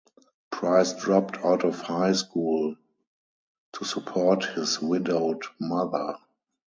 Price dropped out of high school to support his widowed mother.